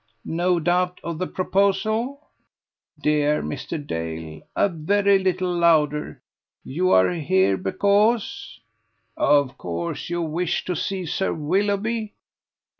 no doubt of the proposal? Dear Mr. Dale! a very little louder. You are here because ? of course you wish to see Sir Willoughby.